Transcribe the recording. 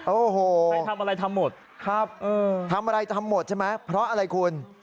โอ้โหครับทำอะไรทำหมดใช่ไหมเพราะอะไรคุณ